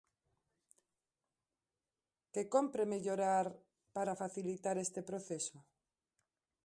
Que cómpre mellorar para facilitar este proceso?